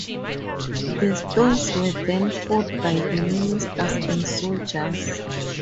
The stones were then fought by the ministers and soldiers.